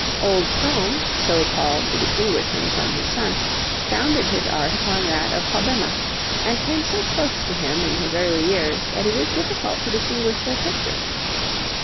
Old Crome, so called to distinguish him from his son, founded his art upon that of Hobbema, and came so close to him in his early years that it is difficult to distinguish their pictures.